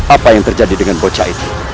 apa yang terjadi dengan bocah itu